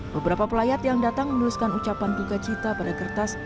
beberapa pelayat yang datang menuliskan ucapan duka cita pada kertas